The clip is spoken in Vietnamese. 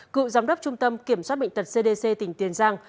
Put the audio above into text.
cựu giám đốc trung tâm kiểm soát bệnh tật cdc tỉnh tiền giang